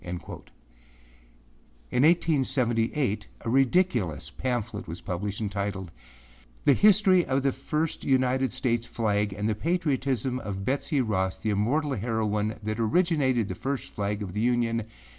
â In 1878, a ridiculous pamphlet was published, entitled âThe History of the First United States Flag and the Patriotism of Betsey Ross, the Immortal Heroine that Originated the First Flag of the Union.